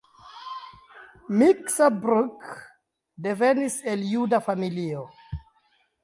Miksa Bruck devenis el juda familio.